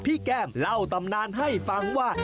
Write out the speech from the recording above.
แก้มเล่าตำนานให้ฟังว่า